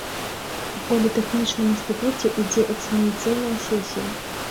У політэхнічным інстытуце ідзе экзаменацыйная сесія.